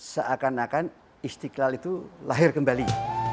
seakan akan istiqlal itu lahir kembali